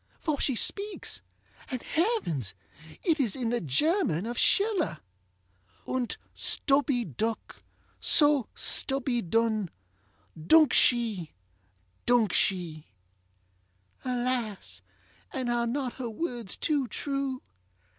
for she speaks, and, heavens! it is in the German of SchillerŌĆö ŌĆ£Unt stubby duk, so stubby dun Duk she! duk she! ŌĆØ Alas! and are not her words too true?